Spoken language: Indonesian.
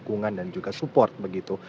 untuk mendukung dan juga support